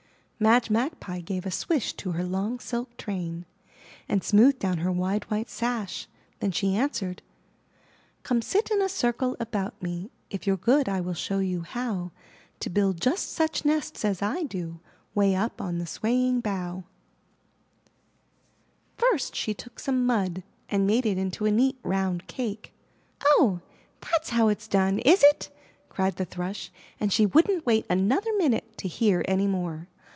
*' Madge Magpie gave a swish to her long silk train, and smoothed down her wide white sash; then she answered: '*Come sit in a circle about me. If you're good, I will show you how To build just such nests as I do Way up on the swaying bough." 172 IN THE NURSERY First she took some mud and made it into a neat round cake. ''Oh, that's how it's done, is it?" cried the Thrush and she wouldn't wait another minute to hear any more.